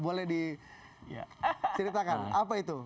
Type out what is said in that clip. boleh diceritakan apa itu